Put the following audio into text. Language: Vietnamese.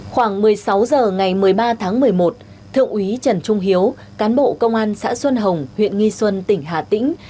khoảng một mươi sáu h ngày một mươi ba tháng một mươi một thượng úy trần trung hiếu cán bộ công an xã xuân hồng huyện nghi xuân tỉnh hà tĩnh